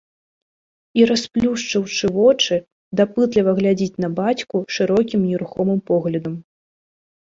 І, расплюшчыўшы вочы, дапытліва глядзіць на бацьку шырокім нерухомым поглядам.